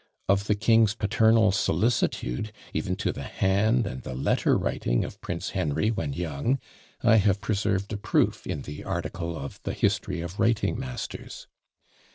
Of the king's paternal solicitude, even to the hand and the letter writing of Prince Henry when young, I have preserved a proof in the article of "The History of Writing masters."